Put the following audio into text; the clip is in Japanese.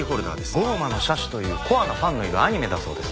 『降魔の射手』というコアなファンのいるアニメだそうです。